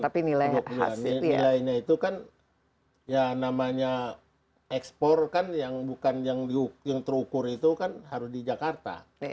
tapi nilainya itu kan ya namanya ekspor kan yang bukan yang terukur itu kan harus di jakarta